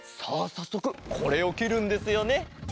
さっそくこれをきるんですよね。